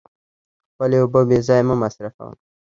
خپلې اوبه بې ځایه مه مصرفوئ.